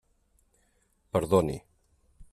Perdoni.